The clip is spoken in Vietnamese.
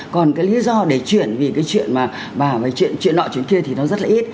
còn cái lý do để chuyển về cái chuyện mà bà nói chuyện chuyện nọ chuyện kia thì nó rất là ít